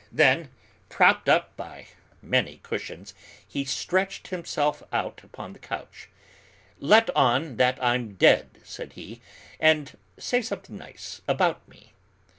Then, propped up by many cushions, he stretched himself out upon the couch. "Let on that I'm dead," said he, "and say something nice about me."